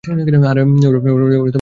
আরে ওরা রেকর্ড রুমে চলে গেছে।